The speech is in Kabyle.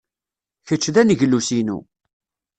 Kečč d aneglus-inu.